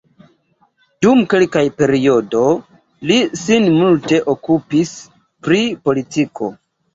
Dum kelka periodo li sin multe okupis pri politiko.